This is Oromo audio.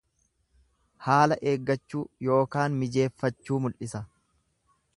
Haala eeggachuu yookaan mijeeffachuu mul'isa.